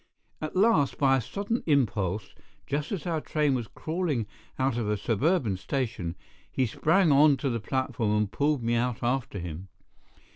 At last, by a sudden impulse, just as our train was crawling out of a suburban station, he sprang on to the platform and pulled me out after him.